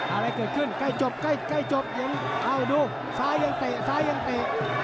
อะไรเกิดขึ้นใกล้จบใกล้ใกล้จบยังเอ้าดูซ้ายยังเตะซ้ายยังเตะ